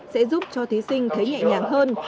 sẽ giúp cho thí sinh thấy nhẹ nhàng hơn